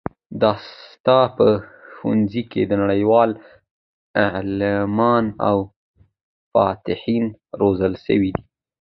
د استاد په ښوونځي کي د نړۍ لوی عالمان او فاتحین روزل سوي دي.